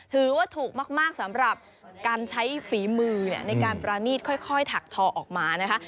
ถือว่าถูกมากสำหรับการใช้ฝีมือในการประณีตค่อยถักทอออกมานะคะ